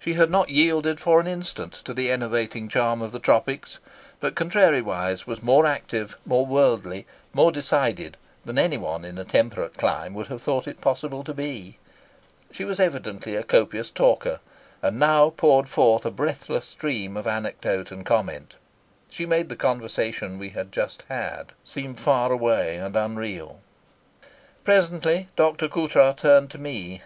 She had not yielded for an instant to the enervating charm of the tropics, but contrariwise was more active, more worldly, more decided than anyone in a temperate clime would have thought it possible to be. She was evidently a copious talker, and now poured forth a breathless stream of anecdote and comment. She made the conversation we had just had seem far away and unreal. Presently Dr. Coutras turned to me.